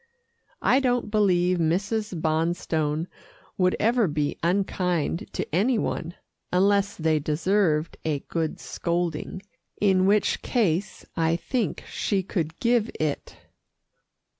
I don't believe Mrs. Bonstone would ever be unkind to any one, unless they deserved a good scolding, in which case I think she could give it.